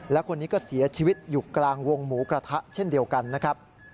และคนนี้ก็เสียชีวิตอยู่กลางวงหมูกระทะเช่นเดียวกันนะครับ